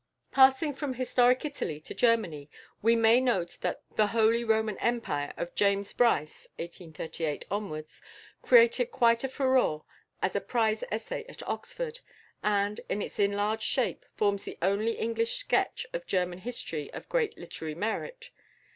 Passing from historic Italy to Germany we may note that "The Holy Roman Empire" of =James Bryce (1838 )= created quite a furore as a prize essay at Oxford, and, in its enlarged shape, forms the only English sketch of German history of great literary merit.